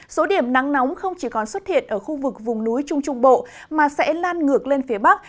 số điểm nắng nóng không chỉ còn xuất hiện ở khu vực vùng núi trung trung bộ mà sẽ lan ngược lên phía bắc